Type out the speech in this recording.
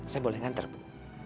saya boleh ngantar bu